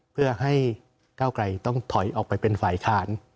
เพื่อให้ก้าวไกลต้องถอยออกไปเป็นฝ่ายค้าน